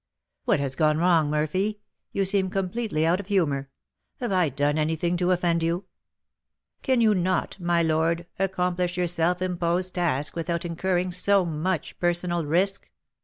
"What has gone wrong, Murphy? You seem completely out of humour. Have I done anything to offend you?" "Can you not, my lord, accomplish your self imposed task without incurring so much personal risk?"